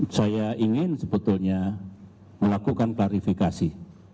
saya ingin sebetulnya melakukan klarifikasi